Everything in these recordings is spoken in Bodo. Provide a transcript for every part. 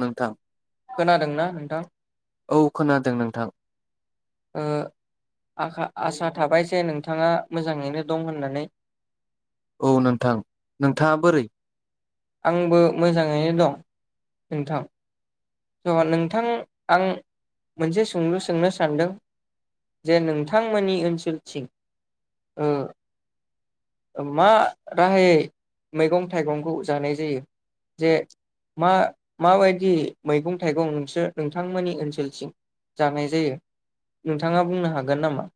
नोंथां खोनादोंना नोंथां औ खोनादों नोंथां ओ आखा आसा थाबाय जे नोंथाङा मोजाङैनो दं होननानै। औ नोंथां नोंथाङा बोरै आंबो मोजाङैनो दं। नोंथां। अ नोंथां आं मोनसे सोंलु सोंनो सानदों जे नोंथांमोननि ओनसोलथिं ओ मा राहायै मैगं थाइगंखौ जानाय जायो जे मा माबायदि मैगं थाइगं नोंसोर नोंथांमोननि ओनसोलसिम जानाय जायो नोंथाङा बुंनो हागोन नामा?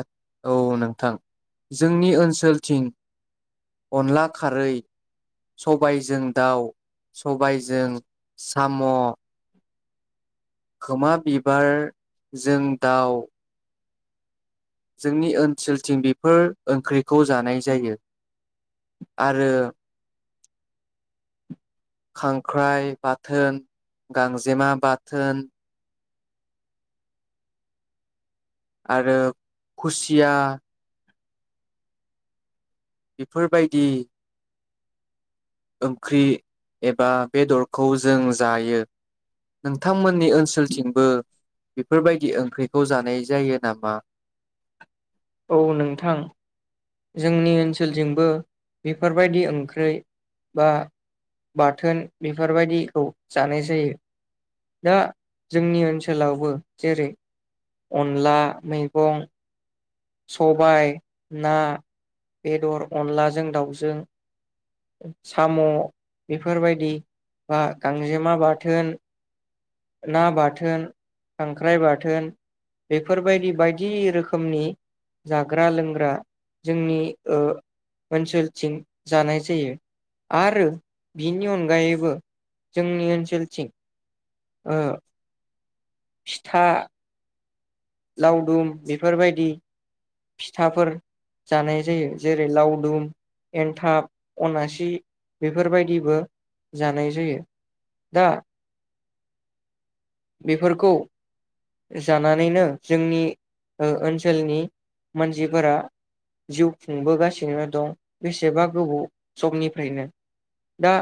आत औ नोंथां जोंनि ओनसोलथिं अनला खारै सबायजों दाउ सबायजों सा साम' खोमा बिबारजों दाउ जोंनि ओनसोल थिं बेफोर ओंख्रै खौ जानाय जायो। आरो खांख्राइ बाथोन, गांजेमा बाथ थोन, आरो खुसिया, बेफोरबायदि ओंख्रि एबा बेदरखौ जों जायो। नोंथांमोननि ओनसोलथिंबो बेफोरबायदि ओंख्रि खौ जानाय जायो नामा? औ नोंथां। जोंनि ओनसोलजोंबो बेफोरबायदि ओंख्रै बा बाथोन बेफोरबायदिखौ जानाय जायो। दा जोंनि ओनसोलावबो जेरै अनला, मैगं सबाय, ना, बेदर, अनलाजों दाउजों साम' बेफोरबायदि बा गांजेमा बाथोन ना बाथोन, खांख्राइ बाथोन बेफोरबायदि बायदि रोखोमनि जाग्रा लोंग्रा जोंनि ओ ओनसोलथिं जानाय जायो। आरो बिनि अनगायैबो जोंनि ओनसोलथिं ओ फिथा, लावदुम बेफोरबायदि फिथाफोर जानाय जायो जेरै लावदुम, एन्थाब, अनासि बेफोरबायदिबो जानाय जायो। दा बेफोरखौ जानानैनो जोंनि ओ ओनसोलनि मानसिफोरा जिउ खुंबोगासिनो दं बेसेबा गोबाव समनिफ्रायनो। दा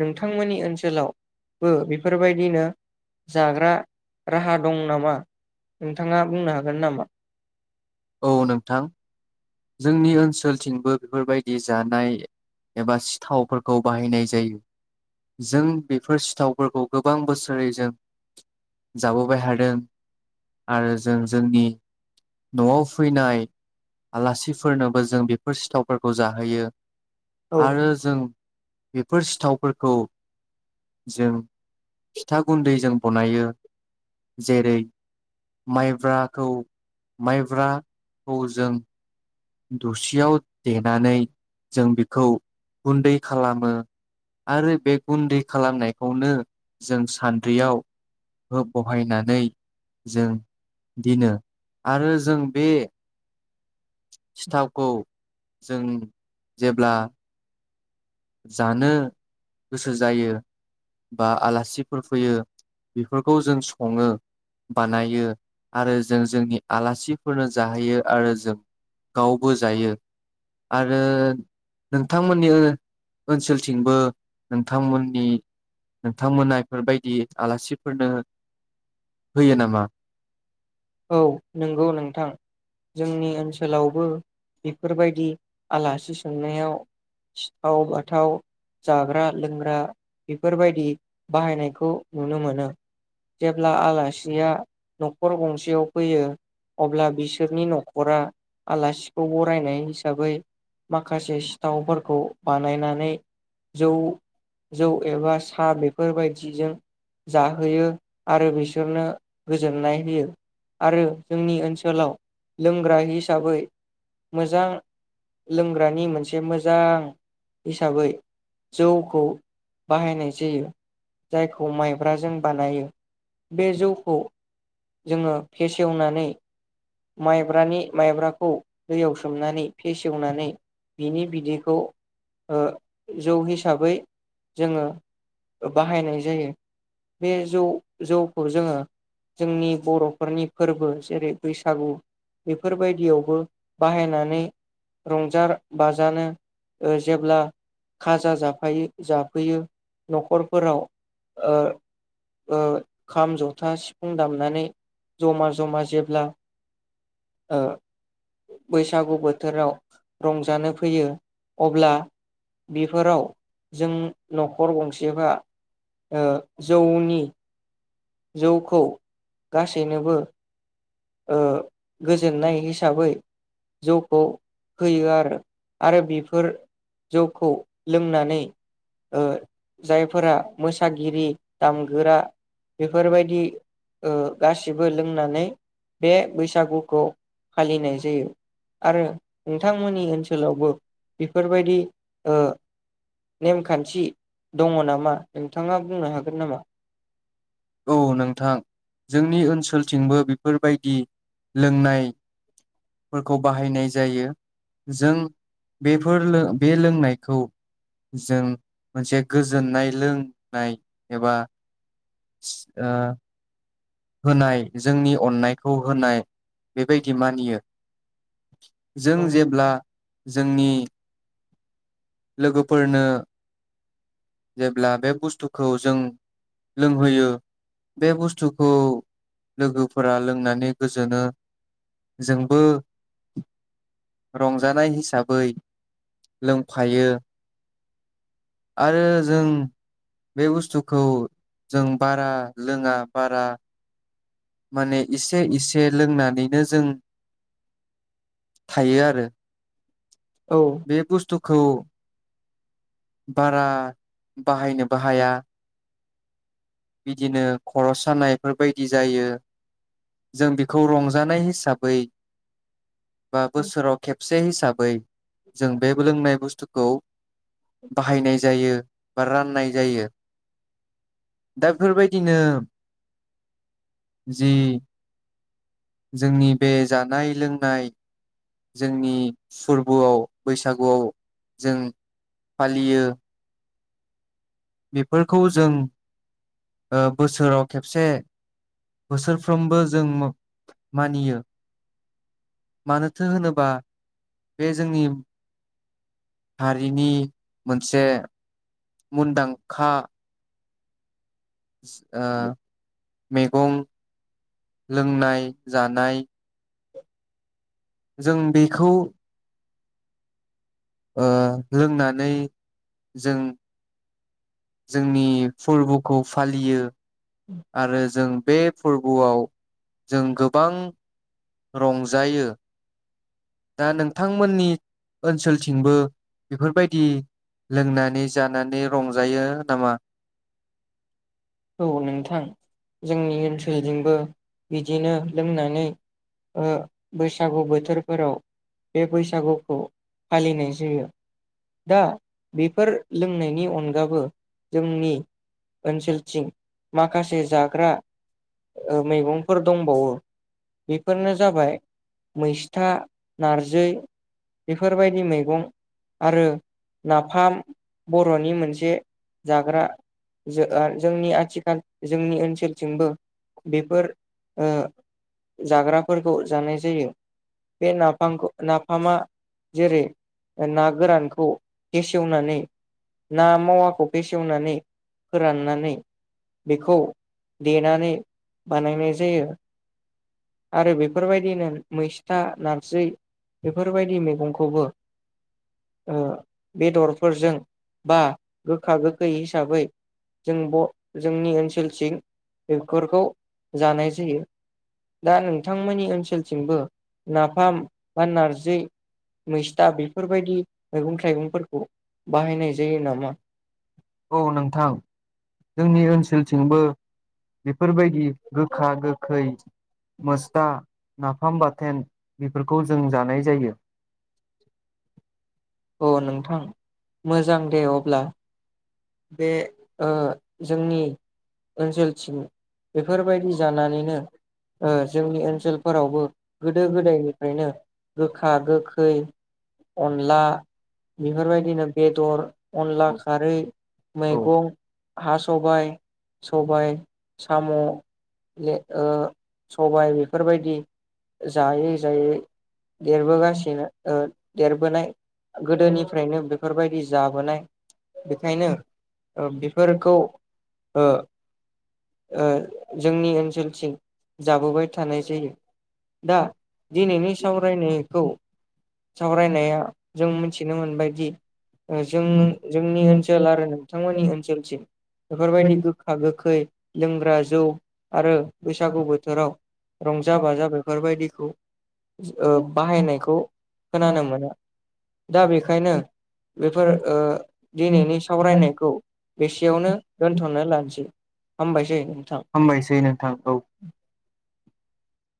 नोंथांमोननि ओनसोलावबो बेफोरबायदिनो जाग्रा राहा दं नामा? नोंथाङा बुंनो हागोन नामा? औ नोंथां। जोंनि ओनसोलथिंबो बेफोरबायदि जानाय एबा सिथावफोरखौ बाहायनाय जायो जों बेफोर सिथावफोरखौ गोबां बोसोरै जों जाबोबाय हादों आरो जों जोंनि न'आव फैनाय आलासिफोरनोबो जों बेफोर सिथावफोरखौ जाहोयो। औ आरो जों बेफोर सिथावफोरखौ जों फिथा गुन्दै जों बनायो जेरै माइब्राखौ माइब्राखौ जों दसियाव देनानै जों बेखौ गुन्दै खालामो आरो बे गुन्दै खालामनायखौनो जों सान्द्रियाव ओ बहायनानै जों दिनो आरो जों बे सिथावखौ जों जेब्ला जानो गोसो जायो बा आलासिफोर फैयो बेफोरखौ जों सङो। बानायो आरो जों जोंनि आलासिफोरनो जाहोयो आरो जों औ गावबो जायो। आरो नोंथांमोननि ओ ओनसोलथिंबो नोंथांमोननि नोंथांमोना बेफोरबायदि आलासिफोरनो होयो नामा? औ नंगौ नोंथां जोंनि ओनसोलावबो बेफोरबायदि आलासि सोंनायाव सिथाव बाथाव जाग्रा लोंग्रा बेफोरबायदि बाहायनायखौ नुनो मोनो जेब्ला आलासिया न'खर गंसे खायाव फैयो अब्ला बिसोरनि नखरा आलासिखौ बरायनाय हिसाबै माखासे सिथावफोरखौ बानायनानै जौ जौ एबा साहा बेफोरबायदिजों जाहोयो आरो बिसोरनो गोजोननाय होयो। आरो जोंनि ओनसोलाव लोंग्रा हिसाबै मोजां लोंग्रानि मोनसे मोजां हिसाबै जौखौ बाहायनाय जायो जायखौ माइब्राजों बानायो बे जौखौ जोङो फेसेवनानै माइब्रानि माइब्राखौ दैयाव सोमनानै फेसेवनानै बिनि बिदैखौ जौ हिसाबै जोङो बाहायनाय जायो। बे जौ जौखौ जोङो जोंनि बरफोरनि फोरबो जेरै बैसागु बेफोरबायदियावबो बाहायनानै रंजा बाजानो जेब्ला खाजा जाफा जाफैयो न'खरफोराव खाम जथा सिफुं दामनानै जमा जमा जेब्ला ओ बैसागु बोथोराव रंजानो फैयो अब्ला बेफोराव जों नखर गंसेफ्रा जौनि। जौखौ गासैनोबो ओ गोजोन्नाय हिसाबै जौखौ होयो आरो आरो बेफोर जौखौ लोंनानै ओ जायफोरा मोसागिरि दामगोरा बेफोरबायदि गासिबो लोंनानै बे बैसागुखौ फालिनाय जायो आरो नोंथांमोननि ओनसोलावबो ओ बेफोरबायदि नेमखान्थि दङ नामा? नोंथाङा बुंनो हागोन नामा? औ नोंथां जोंनि ओनसोलथिंबो बिफोरबायदि लोंनायफोरखौ बाहायनाय जायो। जों बेफोर बे लोंनायखौ जों मोनसे गोजोननाय लोंनाय एबा ओ होनाय जोंनि अननायखौ होनाय बेबायदि मानियो जों जेब्ला जोंनि लोगोफोरनो जेब्ला बे बुस्थुखौ जों लोंहोयो बे बुस्थु खौ लोगोफोरा लोंनानै गोजोनो जोंबो रंजानाय हिसाबै लोंफायो। आरो जों बे बुस्थुखौ जों बारा लोङा बारा माने इसे इसे लोंनानैनो जों थायो आरो औ बे बुस्तुखौ बारा बाहायनोबो हाया बिदिनो खर सानायफोरबायदि जायो। जों बेखौ रंजानाय हिसाबै बा बोसोराव खेबसे हिसाबै जों बे लोंनाय बुस्थुखौ बाहायनाय जायो बा राननाय जायो। दा बेफोरबायदिनो जि जोंनि बे जानाय लोंनाय जोंनि फोरबोआव बैसागुआव जों फालियो। बेफोरखौ जों ओ बोसोराव खेबसे बोसोरफ्रोमबो जों मोब मानियो मानोथो होनोबा बे जोंनि हारिनि मोनसे मुनदांखा ओ मेगं लोंनाय जानाय जों बेखौ ओ लोंनानै जों नि फोरबोखौ फालियो। आरो जों बे फोरबोआव जों गोबां रंजायो। दा नोंथांमोननि ओनसोलथिंबो बेफोरबायदि लोंनानै जानानै रंजायो नामा? औ नोंथां जोंनि ओनसोलजोंबो बिदिनो लोंनानै ओ बैसागु बोथोरफोराव बे बैसागुखौ फालिनाय जायो दा बेफोर लोंनायनि अनगाबो जोंनि ओनसोल थिं माखासे जाग्रा ओ मैगंफोर दंबावो बेफोरनो जाबाय मैस्था नारजै बेफोरबायदि मेगं आरो नाफाम बर'नि मोनसे जाग्रा [unintelligible] जोंनि आथिखाल जोंनि ओनसोलथिंबो बेफोर ओ जाग्राफोरखौ जानाय जायो बे नाफामखौ नाफामा जेरै ना गोरानखौ फेसेवनानै ना मावाखौ फेसेवनानै फोराननानै बेखौ देनानै बानायनाय जायो आरो बेफोरबायदिनो मैस्था नारजै बेफोरबायदि मैगंखौबो ओ बेदरफोरजों बा गोखा गोखै हिसाबै जों ब जोंनि ओनसोलथिं बेफोरखौ जानाय जायो दा नोंथांमोननि ओनसोलथिंबो नाफाम बा नारजै मैस्था बेफोरबायदि मैगं थाइगंफोरखौ बाहायनाय जायो नामा? औ नोंथां जोंनि ओनसोलथिंबो बेफोरबायदि गोखा गोखै मोस्था नाफाम बाथोन बेफोरखौ जों जानाय जायो। औ नोंथां मोजां दे अब्ला। बे ओ जोंनि ओनसोलथिं बेफोरबायदि जानानैनो ओ जोंनि ओनसोलफोरावबो गोदो गोदायनिफ्रायनो गोखा गोखै अनला बेफोरबायदिनो बेदर अनला खारै औ औ मेगं हा सबाइ सबाइ साम' ए ओ सबाय बेफोरबायदि जायै जायै देरबोगासिनो ओ देरबोनाय गोदोनिफ्रायनो बे बेफोरबायदि जाबोनाय बेखायनो ओ बेफोरखौ ओ ओ जोंनि ओनस सोलथिं जाबोबाय थानाय जायो। दा दिनैनि सावरायनायखौ सावरायनाया जों मिथिनो मोनबायदि ओ जों जोंनि ओनसोल आरो नों थांमोननि ओनसोलथिं बेफोरबायदि गोखा गोख खै लोंग्रा जौ आरो बैसागु बोथोराव रंजा बाजा बेफोरबायदि खौ ओ बाहायनायखौ खोनानो मोनो दा बेखायनो बेफोर ओ दिनैनि सावरायनाय खौ बेसेयावनो हामबायसै दोनथनो लानसै हामबायसै हामबायसै नोंथां औ।